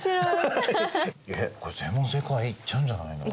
えっこれ全問正解いっちゃうんじゃないの？